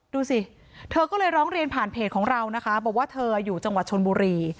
ดูสิเธอก็เลยร้องเรียนผ่านเพจของเรานะคะบอกว่าเธออยู่จังหวัดชนบุรี